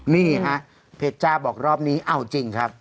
นี่ฮะเพจจ้าบอกรอบนี้เอาจริงครับ